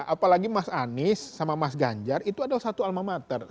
apalagi mas anies sama mas ganjar itu adalah satu alma mater